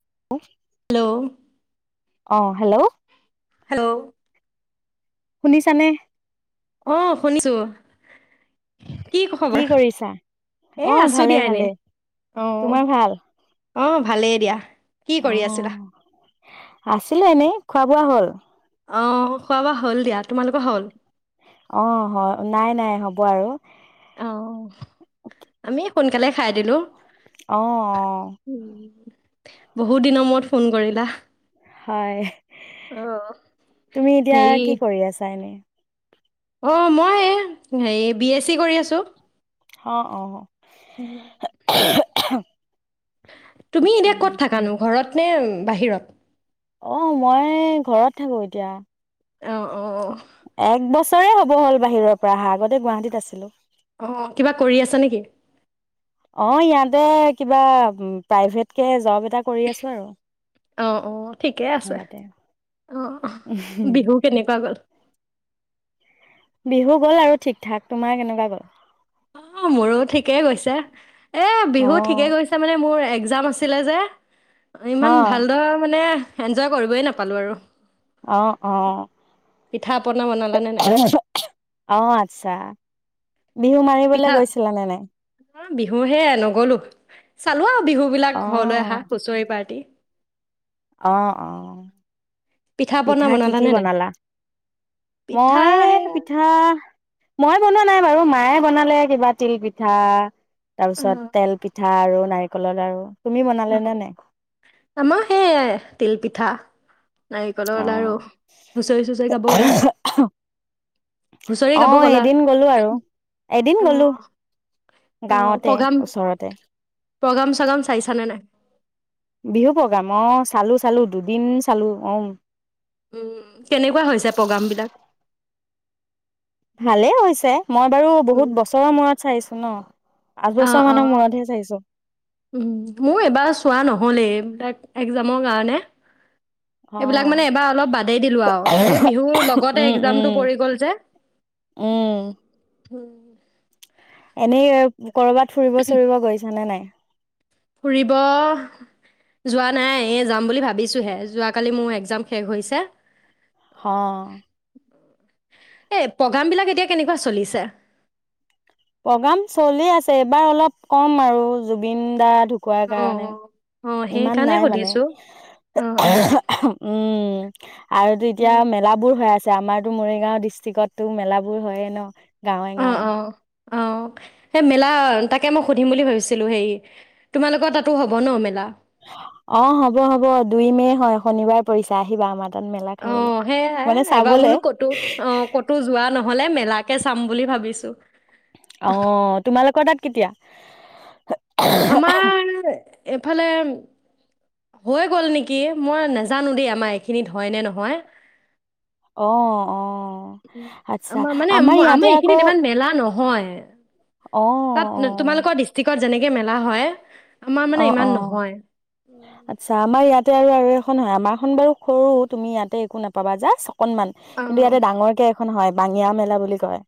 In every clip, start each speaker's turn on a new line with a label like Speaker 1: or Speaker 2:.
Speaker 1: [unintelligible]
Speaker 2: Hello
Speaker 1: অ hello
Speaker 2: hello
Speaker 1: শুনিছানে?
Speaker 2: অ শুনিছো
Speaker 1: কি কৰিছা?
Speaker 2: এ
Speaker 1: অ
Speaker 2: আছো
Speaker 1: ভালে
Speaker 2: দিয়া এনে
Speaker 1: ভালে
Speaker 2: অ
Speaker 1: তোমাৰ ভাল
Speaker 2: অ ভালেই দিয়া কি
Speaker 1: অ,
Speaker 2: কৰি আছিলা
Speaker 1: আছিলে এনেই খোৱা বোৱা হল?
Speaker 2: অ, খোৱা-বোৱা হ'ল দিয়া। তোমালোকৰ হ'ল?
Speaker 1: অ হয় নাই নাই হব আৰু
Speaker 2: অ, আমি সোনকালে খাই দিলো।
Speaker 1: অ অ
Speaker 2: বহুত দিনৰ মূৰত ফোন কৰিলাহ্,
Speaker 1: হয়, তুমি এতিয়া
Speaker 2: হেৰি
Speaker 1: কি কৰি আছা, এনে?
Speaker 2: অ মই এয়া হেই বি এছ চি কৰি আছো,
Speaker 1: হ-অ
Speaker 2: উ [unintelligible]
Speaker 1: [unintelligible]
Speaker 2: তুমি
Speaker 1: আচ্ছা
Speaker 2: এতিয়া ক'ত থাকানো ঘৰত নে বাহিৰত?
Speaker 1: অ ময়ে ঘৰত থাকো এতিয়া।
Speaker 2: এঅ
Speaker 1: একবছ তয়ে হব হল বাহিৰৰ পৰা আহা আগতে গুৱাহাটীত আছিলো।
Speaker 2: অ কিবা কৰি আছা নেকি
Speaker 1: অ ইয়াতে কিবা-ম-প্ৰাইভেট কে জব এ
Speaker 2: অ অ ঠিকেই আছে,
Speaker 1: ঘৰতে
Speaker 2: অ- অহ বিহু কেনেকুৱা গল?
Speaker 1: বিহু গ'ল আৰু ঠিক ঠাক, তোমাৰ কেনেকুৱা গ'ল?
Speaker 2: অ মোৰো ঠিকেই গৈছো এ
Speaker 1: অ
Speaker 2: বিহু ঠিকে গৈছে, মানে মোৰ যাম আছিলে যে অ-ইমান
Speaker 1: হা
Speaker 2: ভালদৰা মানে এনজয় কৰিবই নাপালো আৰু
Speaker 1: আহ আহ
Speaker 2: পিঠা পনা বনালানে নাই?
Speaker 1: আহ আচ্ছা বিহু মাৰিবলৈ গৈছিলা নে নাই?
Speaker 2: অ বিহু হে নগলো চালো আ বিহু বিলাক ঘৰলৈ আহা
Speaker 1: অ',
Speaker 2: হুঁচৰি পাৰ্টি
Speaker 1: অ অ
Speaker 2: পনা
Speaker 1: পিঠা কি কি
Speaker 2: বনালানে নাই?
Speaker 1: বনালা?
Speaker 2: পিঠা
Speaker 1: মই
Speaker 2: সেয়া
Speaker 1: পিঠা মই বনোৱা নাই বাৰু মায়ে বনালে, কিবা তিল পিঠা
Speaker 2: অ,
Speaker 1: তাপিছত, তেল পিঠা আৰু নাৰিকলৰ লাৰু তুমি বনালে নে নাই?
Speaker 2: অহ্-অম সেয়ায় তিল পিঠা নাৰিকলৰ লাৰু,,
Speaker 1: অ',
Speaker 2: হুঁচৰি চুচৰি গাব গলা হুচৰি গাব
Speaker 1: অ',
Speaker 2: গলা
Speaker 1: এদিন গ'লো আৰু এদিন গ'লো
Speaker 2: অঁহ অ'
Speaker 1: গাঁৱতে ওচৰতে
Speaker 2: প্ৰগ্ৰাম-প্ৰগ্ৰাম চগ্ৰাম চাইছানে নাই?
Speaker 1: বিহু প্ৰগ্ৰাম অ' চালো-চালো দুদিন চালো উম্
Speaker 2: উম কেনেকুৱা হৈছে প্ৰগ্ৰাম বিলাক?
Speaker 1: ভালে হৈছে মই বাৰু বহুত বছৰৰ মূৰত চাইছোঁ ন পাঁচ বছৰ মানৰ
Speaker 2: অ-অ-
Speaker 1: মূৰতহে চাইছো
Speaker 2: উম মোৰ এবাৰ চোৱা নহলে। তাক এক্জামৰ কাৰণে
Speaker 1: অ
Speaker 2: এইবিলাক মানে এবাৰ অলপ বাদেই দিলো আৰু এই বিহুৰ লগতে
Speaker 1: উম
Speaker 2: এক্জামটো
Speaker 1: উম
Speaker 2: পৰি গল যে
Speaker 1: উম
Speaker 2: উম
Speaker 1: এনেই কৰবাত ফুৰিব চুৰিব গৈছ নে নাই?
Speaker 2: ফুৰিব যোৱা নাই যাম বুলি ভাবিছোঁহে, যোৱাকালি মোৰ এক্জাম শেষ হৈছে। অ অ অ এ প্ৰগ্ৰাম বিলাক এতিয়া কেনেকুৱা চলিছে?
Speaker 1: প্ৰগ্ৰাম চলি আছে এইবাৰ অলপ ক'ম আৰু জুবিন দাৰ ঢুকোৱাৰ
Speaker 2: অ',
Speaker 1: কাৰণে
Speaker 2: অ', অ
Speaker 1: ইমান
Speaker 2: সেইকাৰণে
Speaker 1: নাই
Speaker 2: সুধিছোঁ অ', অ',
Speaker 1: মানে- উম উ আৰু তো এতিয়া
Speaker 2: উম,
Speaker 1: মেলা বোৰ হৈ আছ আমাৰতো মৰিগাঁও ডিষ্ট্ৰিক্টতটো মেলাবোৰ হয়য়ে ন গাঁৱে-গাঁৱে
Speaker 2: অঁ সেই মেলা তাকে মই সুধিম বুলি ভাবিছিলোঁ হেৰি তোমালোকৰ তাতো হব ন মেলা?
Speaker 1: অ হব হব দুই মে হয় শনিবাৰ পৰিছে আহিবা আমাৰ তাত। মেলা
Speaker 2: অ
Speaker 1: খাবলৈ মানে
Speaker 2: সেয়াই এবাৰ
Speaker 1: চাবলে
Speaker 2: বোলো কতো অ' কতো যোৱা নহয়। নহলে মেলাকে চাম বুলি ভাবিছো
Speaker 1: অ তোমালোকৰ তাত কেতিয়া?
Speaker 2: আমাৰ এফালে হৈ গল নেকি মই নাজানো দেই আমাৰ এইখিনিত হয় নে নহয়
Speaker 1: অ অ
Speaker 2: উম,
Speaker 1: আচ্ছা
Speaker 2: মানে
Speaker 1: আমাৰ ইয়াতে আকৌ
Speaker 2: উম
Speaker 1: অ',
Speaker 2: তাত উম তোমালোকৰ ডিষ্ট্ৰিকত যেনেকে মে মেলা হয় আমাৰ মানে
Speaker 1: অ', অ',
Speaker 2: ইমান
Speaker 1: অ',
Speaker 2: নহয়।
Speaker 1: আচ্ছা, আমাৰ ইয়াত আৰু এখন হয় আমাৰখন বাৰু সৰু তুমি ইয়াতে একো নাপাবা, যাচ অকনমান,
Speaker 2: অ
Speaker 1: কিন্তু ইয়াতে ডাঙৰকে এখন হয়। বাঙিয়া মেলা বুলি কয়।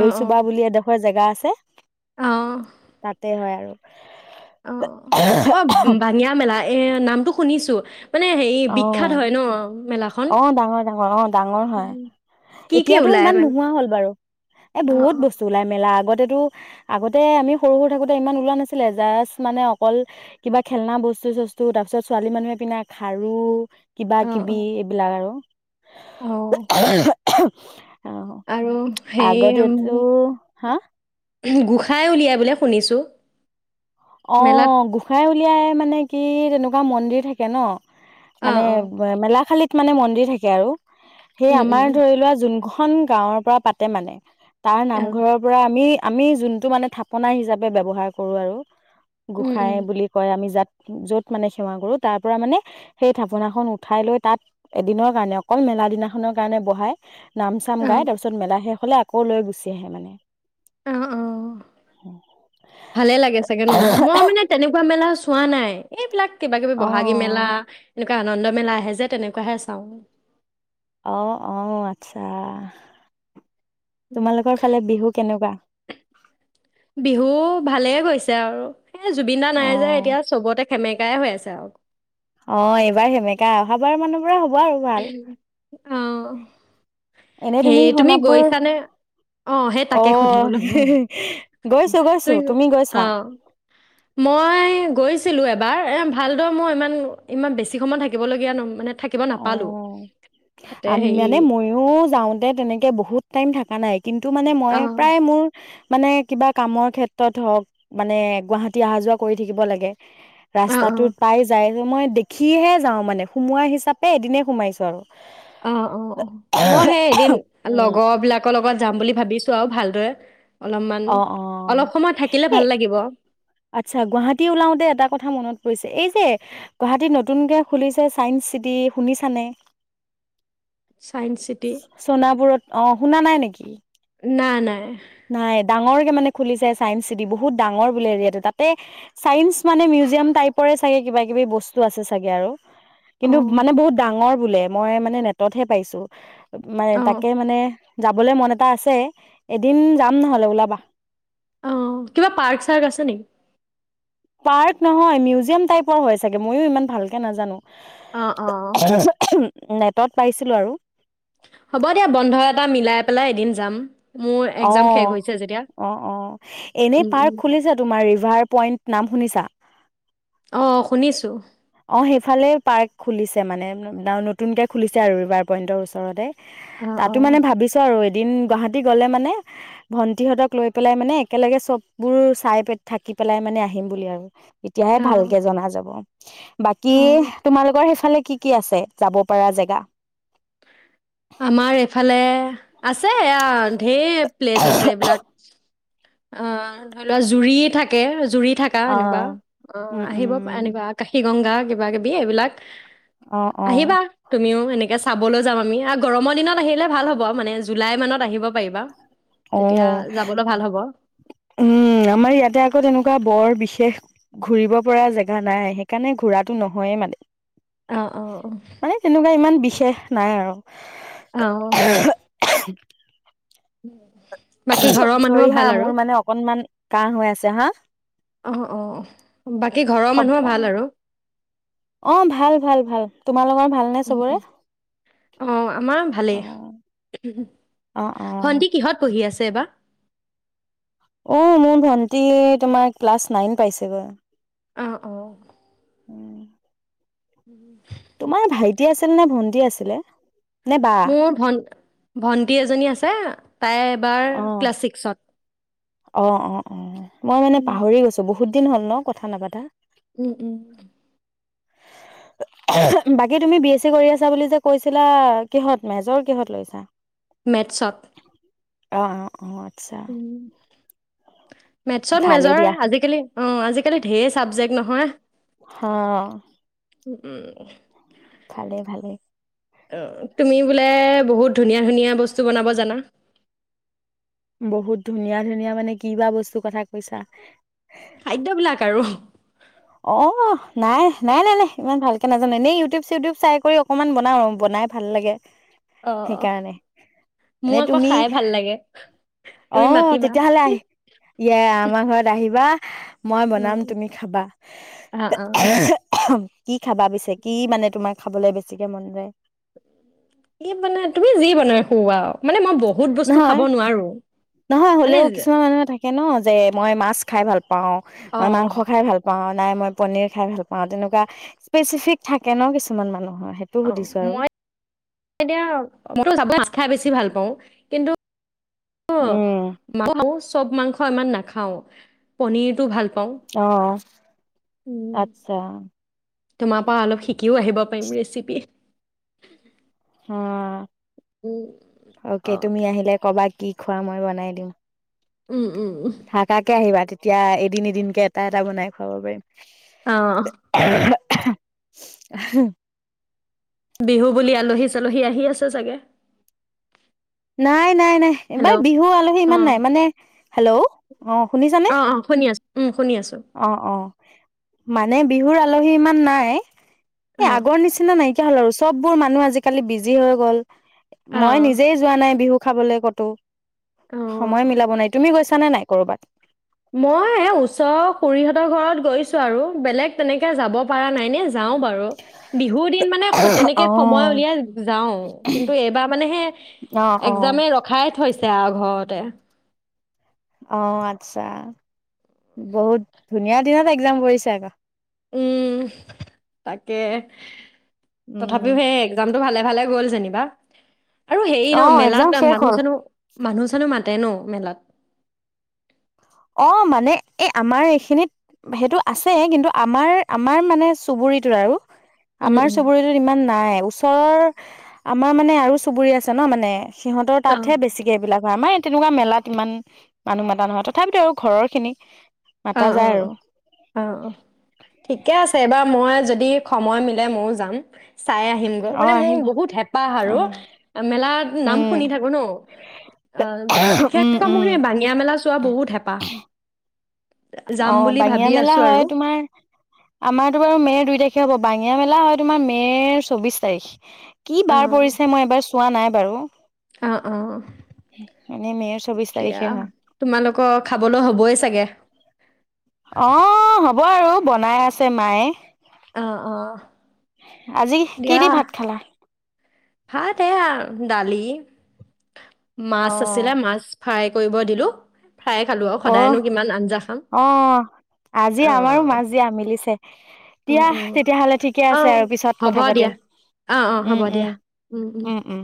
Speaker 2: অ অ
Speaker 1: চুবা বুলি এডোখৰ জেগা আছে।
Speaker 2: অ
Speaker 1: তাতে হয় আৰু,
Speaker 2: অ', অ', ভাঙিয়া মেলা এ, নামটো শুনিছো। মানে হেৰি বিখ্যাত
Speaker 1: অ',
Speaker 2: হয় ন মেলাখন
Speaker 1: অ', ডাঙৰ ডাঙৰ অ', ডাঙৰ হয়,
Speaker 2: উম। কি কি
Speaker 1: এতিয়াতো
Speaker 2: ওলাই
Speaker 1: ইমান
Speaker 2: মানে
Speaker 1: নোহোৱা হ'ল বাৰু, এ
Speaker 2: অ
Speaker 1: বহুত
Speaker 2: অ
Speaker 1: বস্তু ওলাই মেলা আগত তটো আগতে আমি সৰু সৰু থাকোঁতে ইমান ওলোৱা নাছিলে, জাষ্ট মানে অকল কিবা খেলনা বস্তু চস্তু তাৰ পিছত ছোৱালী মানুহে পিনা খাৰু কিবা
Speaker 2: অ অ
Speaker 1: কিবি এইবিলাক আৰু
Speaker 2: অ
Speaker 1: [inaudible] [inaudible] অ',
Speaker 2: আৰু হেৰি
Speaker 1: আগতেতো, হা?
Speaker 2: গোঁসাই উলিয়াই বোলে শুনিছোঁ।
Speaker 1: অ', গোঁসাই উ ওলিয়াই মানে কি তেনেকুৱা মন্দিৰ থাকে ন'।
Speaker 2: অ
Speaker 1: মানে
Speaker 2: অ
Speaker 1: মেলা খালি মানে মন্দিৰ থাকে আৰু। সেই
Speaker 2: উম উম
Speaker 1: আমাৰ ধৰি লোৱা যোন এখন গাঁৱৰ পৰা পাতে মানে তাৰ
Speaker 2: অ
Speaker 1: নামঘৰৰ পৰা আমি আমি যোনটো মানে থাপনা হিচাপে ব্যৱহাৰ কৰো আৰু
Speaker 2: উম উম
Speaker 1: গোসাঁই বুলি কয় আমি যাত যত মানে সেৱা কৰো তাৰ পৰা মানে সেই থাপনাখন উঠাই লৈ তাত এদিনৰ কাৰণে অকল মেলা দিনাখনৰ কাৰণে বহাই, নাম চাম
Speaker 2: অ
Speaker 1: গাই তাৰপিছত মেলাহে ফালে আকৌ লৈ গুচি আহে মানে।
Speaker 2: অ', অ', ভালে লাগে চাগ গেনো, মই মানে তেনেকুৱা মেলা চো চোৱা নাই, এইবিলাক কিবা কিবি বহাগী মেলা,
Speaker 1: অ',
Speaker 2: এনেকুৱা আনন্দ মেলা আহে যে তেনেকুৱাহে চাওঁ।
Speaker 1: অ', অ', আচ্ছা। তোমালোকৰ ফালে বিহু কেনেকুৱা?
Speaker 2: বিহু ভালে গৈছে আৰু। এ জুবিন দা নাই যে,
Speaker 1: অ',
Speaker 2: এতিয়া চবতে সেমেকাই হৈ আছে আৰু।
Speaker 1: অ এইবাৰ সেমেকা অহা বাৰ মা হব আৰু ভাল।
Speaker 2: অ
Speaker 1: এনে
Speaker 2: সেই
Speaker 1: তুমি সোণাপুৰ,
Speaker 2: গৈছানে অ সেই তাকে সুধিবলৈ
Speaker 1: অ', গৈছো গৈছো, তুমি গৈছা?
Speaker 2: অ মই গৈছিলো এবাৰ, এ ভালদৰ মোৰ ইমান ইমান বেছি সময় থাকিবলগীয়া ন, মানে থা
Speaker 1: অ', আমি মানে ময়ো যাওঁতে তেনেকে বহুত টাইম থাকা নাই। কিন্তু মানে মই
Speaker 2: অঁ
Speaker 1: প্ৰায় মোৰ মানে কিবা কামৰ ক্ষেত্ৰত হওঁক মানে গুৱাহাটী আহা যোৱা কৰি থাকিব লাগে।
Speaker 2: অঁ অঁ
Speaker 1: ৰাস্তাটোত পাই যায় মই দেখিহে যাওঁ মানে সোমোৱা হিচাপ এই এদিনেই সোমাইছো আৰু।
Speaker 2: অ', অ', অ', মই সেই এদিন
Speaker 1: উম
Speaker 2: লগৰ বিলাকৰ লগত যাম বুলি ভাবিছ চোৱাও ভালদৰে অলপমান
Speaker 1: অ অ
Speaker 2: অলপ সময় থাকিলে ভাল
Speaker 1: এই
Speaker 2: লাগিব
Speaker 1: আচ্ছা গুৱাহাটী ওলাওতে এটা কথা মনত পৰিছে এই এই গুৱাহাটীত নতুনকে খুলিছে চাইন্স চিটি শুনিছানে?
Speaker 2: চায়েন্স চিটি
Speaker 1: চনাবোৰত অ', শুনা নাই নেক [unintelligible]
Speaker 2: নাই, নাই।
Speaker 1: নাই ডাঙৰকে মানে খুলিছে ছাইস চিটি বহুত ডাঙৰ বোলে এৰিয়াটো তাতে চাইন্স মানে মিউজিয়াম টাইপৰে চাগে কিবা কিবি বস্তু আছে চাগে আৰু। কিন্তু
Speaker 2: অঁ
Speaker 1: মানে বহুত ডাঙৰ বোলে মই মানে নেটত হে পাইছো মান
Speaker 2: অঁ
Speaker 1: তাকে মানে যাবলৈ মন এটা আছে দিন যাম নহলে ওলাবা
Speaker 2: অ', কিবা পাৰ্ক চাৰ্ক আছে নেকি?
Speaker 1: পাৰ্ক নহয় মিউজিয়াম টাইপৰ হয় চাগে ময়ো ইমান ভালকে নাজানো
Speaker 2: অ', অ'।
Speaker 1: নেটত পাইছিলোঁ আৰু
Speaker 2: হ'ব দিয়া বন্ধ এটা মিলাই পেলাই এদিন যাম। মোৰ এক্সাম শেষ
Speaker 1: অ',
Speaker 2: হৈছে যেতিয়া
Speaker 1: অ', অ', এনে
Speaker 2: উম উম
Speaker 1: পাৰ্ক খুলিছে তোমাৰ ৰিভাৰ পইণ্ট নাম শুনিছা
Speaker 2: অ', শুনিছো।
Speaker 1: অ', সেইফালে পাৰ্ক খুলিছে মানে। নতুনকে খুলিছে আৰু ৰিবাৰ পইণ্টৰ ওচৰতে।
Speaker 2: অঁ
Speaker 1: তাতো
Speaker 2: অঁ
Speaker 1: মানে ভাবিছো আৰু। দিন গুৱাহাটী গ'লে মানে, ভন্টিহঁতক লৈ পেলাই মানে একেলগে সববোৰ চাই পে-থাকি পেলাই মানে, আহিম বুলি আৰু। তেতিয়াহে
Speaker 2: অ',
Speaker 1: ভালকে জনা যাব। বাকী,
Speaker 2: অ',
Speaker 1: তোমালোকৰ সেইফালে কি কি আছে যাব পৰা জেগা?
Speaker 2: আমাৰ এইফালে আছে এইয়া ঢেৰ প্লেচ আছে এইবিলাক। অ', ধৰি লোৱা জুৰি থাকে জুৰিত থাকা
Speaker 1: অ
Speaker 2: এনেকুৱা, অ,
Speaker 1: উম
Speaker 2: আহিব
Speaker 1: উম
Speaker 2: এনেকুৱা আকশী গংগা কিবা-কিবি এইবিলাক
Speaker 1: অ অ
Speaker 2: আহিবা! তুমিও এনেকে চাবলৈ যাম আমি আ গমৰ দিনত আহিলে ভাল হ'ব, মানে জুলাই মানত আহিব পাৰিবা তেতিয়া
Speaker 1: অ',
Speaker 2: যাবলৈ ভাল হ'ব
Speaker 1: উম, আমাৰ ইয়াতে আকৌ তেনেকুৱা বৰ বিশেষ ঘূৰিব পৰা জেগা নাই সেইকাৰণে ঘূৰাটো নহয়ে মানে।
Speaker 2: অ', অ',
Speaker 1: মানে তেনেকুৱা ইমান বি শেষ নাই আৰু।
Speaker 2: অ। বাকী ঘৰৰ মানুহৰ
Speaker 1: চৰি হা
Speaker 2: ভাল আৰু
Speaker 1: মোৰ মানে অকনমান কাহঁ হৈ আছে হা।
Speaker 2: অ', অ', বাকী ঘৰৰ
Speaker 1: খব
Speaker 2: মানুহৰ
Speaker 1: অ
Speaker 2: ভাল আৰু?
Speaker 1: অ ভাল ভাল ভাল তোমালোকৰ ভালনে চবৰে?
Speaker 2: অ, আমাৰ
Speaker 1: অ
Speaker 2: ভালেই।
Speaker 1: অ অ।
Speaker 2: ভন্টি কিহত পঢ়ি আছে বা?
Speaker 1: অ', মোৰ ভন্টি তোমাৰ ক্লাছ নাইন পাইছেগৈ।
Speaker 2: আহ অ।
Speaker 1: উম।
Speaker 2: উম
Speaker 1: তোমাৰ ভাইটি আছিল নে ভন্টি আছিলে? নে বা?
Speaker 2: মোৰ ভন- ভন্টি এজনী আছে। তাই এইবাৰ
Speaker 1: অ
Speaker 2: ক্লাছ ছিক্সত।
Speaker 1: অ', অ', অ'। মই মানে
Speaker 2: উম
Speaker 1: পাহৰি গৈছোঁ বহু বহুত দিন হল ন' কথা নাপাতা।
Speaker 2: উম উম।
Speaker 1: বাকী তুমি বি এ চি কৰি আছা বুলি যে কৈছিলা কিহত মেজৰ কিহত লৈছা?
Speaker 2: মেটছত
Speaker 1: অ', অ', অ'। আচ্ছা
Speaker 2: উম মেটছত
Speaker 1: ভালেই
Speaker 2: মেজৰ,
Speaker 1: দিয়া
Speaker 2: আজিকালি অ', আজিকালি ঢেৰ চাবজেক্ট নহয়।
Speaker 1: হ।
Speaker 2: উম হ
Speaker 1: ভালেই ভালেই।
Speaker 2: অ তুমি বোলে বহুত ধুনীয়া ধুনীয়া বস্তু বনাব জানা
Speaker 1: বহুত ধুনীয়া ধুনীয়া মানে কি বা বস্তুৰ কথা কৈছা?
Speaker 2: খাদ্যবিলাক আৰু
Speaker 1: অ নাই নাই নাই নাই ইমান ভালকে নাজানো এনেই ইউটিউব চিউটিউব চাই কৰি অকনমান বনাও বনাই ভাল লাগে
Speaker 2: অ', অ'।
Speaker 1: সেইকাৰণে এনে
Speaker 2: মোৰ আকৌ
Speaker 1: তুমি
Speaker 2: খাই ভাল লাগে। তুমি
Speaker 1: অ',
Speaker 2: মাতিবা
Speaker 1: তেতিয়াহ'লে আহি, [unintelligible] আমাৰ ঘৰত আহিবা। মই
Speaker 2: অ
Speaker 1: বনাম, তুমি খাবা।
Speaker 2: অ
Speaker 1: কি খাবা পিছে? কি মানে তোমাৰ খাবলৈ বেছিকে মন যায়?
Speaker 2: কি বনাই, তুমি যি বনাই খুওৱা আও।
Speaker 1: নহয় নহয়
Speaker 2: মানে
Speaker 1: হলেও কিছুমান মানুহে থাকে ন যে মই মাছ খাই ভাল প পাওঁ
Speaker 2: অ
Speaker 1: বা মাংস খাই ভাল পাওঁ। নাই, মই পনিৰ খাই ভাল পাওঁ। তেনেকুৱা স্পেচিফিক থাকে ন, কিছুমান মানুহৰ। সেইটো
Speaker 2: অ
Speaker 1: সুধিছো আৰু
Speaker 2: মই এতি মই যচা বেছি ভাল পাওঁ কিন্তু অ,
Speaker 1: উম
Speaker 2: ম [unintelligible] চব মাংস ইমান নাখাওঁ, পনীৰটো ভাল পাওঁ
Speaker 1: অহ,
Speaker 2: উম,
Speaker 1: আচ্ছা।
Speaker 2: তোমাৰ পা অলপ শিকিও আহিব পাৰিম ৰেচিপি।
Speaker 1: অ
Speaker 2: উম,
Speaker 1: অ'কে।
Speaker 2: অ
Speaker 1: তুমি আহিলে কবাত কি খোৱা, মই বনাই দিওঁ।
Speaker 2: উম উম উম।
Speaker 1: থাকাকে আহিবা, তেত [unintelligible] এদিন এদিনকে এটা, এটা বনাই খুৱাব পাৰিম।
Speaker 2: অ
Speaker 1: [inaudible]
Speaker 2: বিহু বুলি আলহী চালহী আহি আছে, চাগে?
Speaker 1: নাই নাই নাই এইবাৰ
Speaker 2: হেল্ল'
Speaker 1: বিহু আলহী
Speaker 2: অ
Speaker 1: ইমান নাই মানে হেল্ল' অ শুনিছানে
Speaker 2: অ অ, শুনি আছো উম শুনি আছো।
Speaker 1: অ অ মানে বিহুৰ আলহী ইমান নাই
Speaker 2: অ
Speaker 1: এই আগৰ নিচিনা নাই কি হ'ল আৰু চববোৰ মানুহ আজিকালি বিজি হৈ গ'ল।
Speaker 2: অ
Speaker 1: মই নিজেই নাই বিহু খাবলৈ কতো।
Speaker 2: অ
Speaker 1: সময় মিলাব নাই তুমি গৈছ ছানে নাই কৰবাত?
Speaker 2: মই এই ওচৰৰ খুৰীহঁতৰ [unintelligible] আৰু বেলেগ তেনেকে যাব পৰা নাই নে যাও বাৰু বিহু দিন মানে স তেনেকে
Speaker 1: অ
Speaker 2: সময় উলিয়াই যাওঁ। কিন্তু এইবাৰ মানে হে
Speaker 1: অ অ
Speaker 2: একজামে ৰখাই থৈছে। এয়া ঘৰতে
Speaker 1: অ আচ্ছা, বহুত ধুনীয়া দিনত একজাম কৰিছে আকৌ।
Speaker 2: উম, তাকে
Speaker 1: উম,
Speaker 2: তথাপিও সেই একজাম ভালে ভালে গ'ল জেনিবা। আৰু হেৰি ন
Speaker 1: অ'
Speaker 2: মেলাত
Speaker 1: এক্জাম শেষ
Speaker 2: মানুহ
Speaker 1: হ'ল।
Speaker 2: চানো মানুহ চানো মা তেনো মেলাত।
Speaker 1: অ, মানে এই আমাৰ এইখিনিত সেইটো আছে। কিন্তু আমাৰ আমাৰ মানে চুবুৰীটোৰ আৰু।
Speaker 2: উম,
Speaker 1: আমাৰ
Speaker 2: উম,
Speaker 1: চুবুৰীটো ইমান নাই। ওচ ওচৰৰ, আমাৰ মানে আৰু চুবুৰী আছে ন মানে। সিহঁতৰ
Speaker 2: অ',
Speaker 1: তাতহে বেছিকে এইবিলাক হয়। আমাৰ তেনেকুৱা মেলাত ইমান মানুহ মাতা [inaudible] তথাপিতো আৰু ঘৰৰখিনি
Speaker 2: অ অ অ, অ অ ঠিকে আছে এবাৰ মই যদি সময় মিলে মইও যাম। চাই আহিমগৈ
Speaker 1: অ'
Speaker 2: মানে মোৰ
Speaker 1: আহিবা
Speaker 2: বহুত হেঁপাহ
Speaker 1: অ'
Speaker 2: আৰু মেলাত নাম
Speaker 1: উম
Speaker 2: শুনি থাকো ন। অ,
Speaker 1: উম
Speaker 2: বিশেষকৈ
Speaker 1: উম
Speaker 2: মোৰ সেই বাঙিয়া মেলা চোৱা বহুত হেঁপাহ। যাম
Speaker 1: অ
Speaker 2: বুলি
Speaker 1: বাঙিয়া
Speaker 2: ভাবি
Speaker 1: মেলা
Speaker 2: আছো
Speaker 1: হয়
Speaker 2: আৰু।
Speaker 1: তোমাৰ, আমাৰতো বাৰু মেৰ দুই তাৰিখে হ'ব বাঙ বাঙিয়া মেলা হয় তোমাৰ মেৰ চৌবিশ তাৰিখ। কি
Speaker 2: অ',
Speaker 1: বাৰ পৰিছে মই এবাৰ চোৱা নাই। কৰোঁ
Speaker 2: অ অ,
Speaker 1: মে'ৰ চৌবিশ
Speaker 2: এতিয়া
Speaker 1: তাৰিখে হয়।
Speaker 2: তোমালোকক খাবলৈ হ'বই চাগে।
Speaker 1: অ হ'ব আৰু বনাই আছে মায়ে।
Speaker 2: অ অ
Speaker 1: আজি কি
Speaker 2: দিয়া
Speaker 1: দি ভাত খালা?
Speaker 2: ভাত এয়া ডালি মাছ
Speaker 1: অ'
Speaker 2: আছিলে মাছ ফ্ৰাই কৰিব দিলোঁ।
Speaker 1: অহ, অ, আজি আমাৰো
Speaker 2: অ',
Speaker 1: মাছ দিয়া, মিলিছে।
Speaker 2: অ',
Speaker 1: দিয়া
Speaker 2: অ',
Speaker 1: তেতিয়াহলে ঠিকে
Speaker 2: অ', অ
Speaker 1: আছে আৰু পিছত
Speaker 2: হ'ব
Speaker 1: কথা
Speaker 2: দিয়া
Speaker 1: পাতিম
Speaker 2: অ', অ', হ'ব দিয়া উম, উম।
Speaker 1: উম-উম-উম-উম।